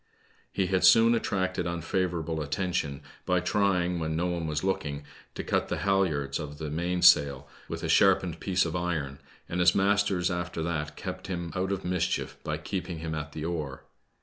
He had soon attracted unfavor able attention by trying, when no one was looking, to cut the halyards of the mainsail with a sharpened BLACK SNEID. 109 piece oi iron, and his masters after that kept him out of mischief by keeping him at the oar.